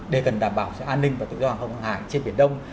để gần đảm bảo sự an ninh và tự do hàng hồng hàng hải trên biển đông